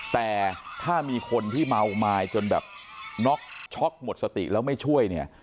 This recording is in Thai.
แต่ถ้ามีคนที่เมาไม้จนแบบน็อกช็อกหมดสติแล้วไม่ช่วยเนี่ย